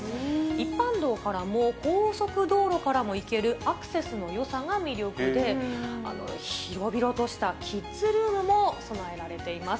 一般道からも、高速道路からも行けるアクセスのよさが魅力で、広々としたキッズルームも備えられています。